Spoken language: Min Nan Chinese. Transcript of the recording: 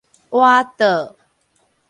倚桌